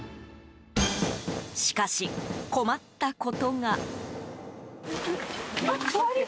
しかし、困ったことが。